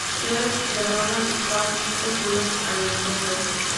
Chev, Verona y Carlito suben al helicóptero.